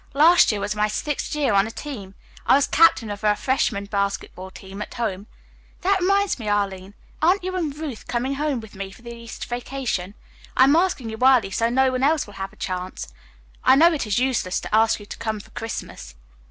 "Last year was my sixth year on a team. I was captain of our freshman basketball team at home. That reminds me, Arline, aren't you and Ruth coming home with me for the Easter vacation? I am asking you early so no one else will have a chance. I know it is useless to ask you to come for Christmas."